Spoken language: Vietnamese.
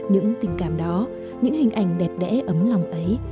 những tình cảm đó những hình ảnh đẹp đẽ ấm lòng ấy